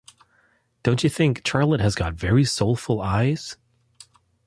Don’t you think Charlotte has got very soulful eyes?